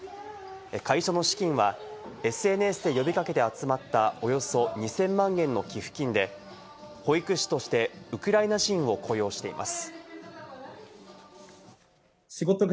会社の資金はＳＮＳで呼び掛けて集まったおよそ２０００万円の寄付金で、保育士としてウクライナ人を雇用しています。